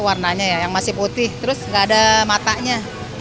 warnanya yang masih putih terus gak ada matanya